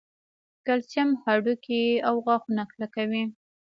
کلسیم هډوکي او غاښونه کلکوي